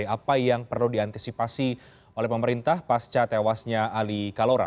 apa yang perlu diantisipasi oleh pemerintah pasca tewasnya ali kalora